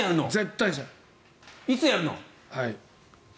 いつやるの？